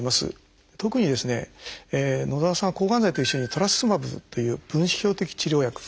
特に野澤さんは抗がん剤と一緒にトラスツズマブという分子標的治療薬。